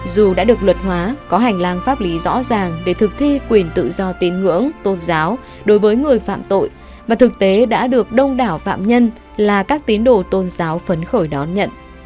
dù đã được luật hóa có hành lang pháp lý rõ ràng để thực thi quyền tự do tín ngưỡng tôn giáo đối với người phạm tội và thực tế đã được đông đảo phạm nhân là các tín đồ tôn giáo phấn khởi đón nhận